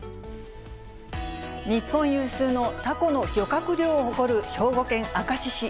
日本有数のタコの漁獲量を誇る兵庫県明石市。